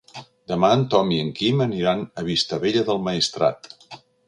Demà en Tom i en Quim aniran a Vistabella del Maestrat.